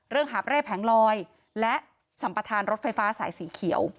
หาบเร่แผงลอยและสัมประธานรถไฟฟ้าสายสีเขียว